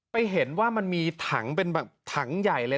ไปเห็นว่ามันมีถังเป็นแบบถังใหญ่เลย